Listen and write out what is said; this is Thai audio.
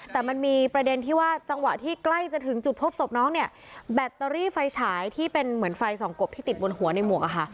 แต่มันมีประเด็นที่ว่าจังหวะที่ใกล้จะถึงจุดพบศพน้องเนี่ยแบตเตอรี่ไฟฉายที่เป็นเหมือนไฟส่องกบที่ติดบนหัวในหมวกอะค่ะ